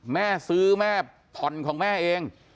แม่ซื้อแม่ผ่อนของแม่เอง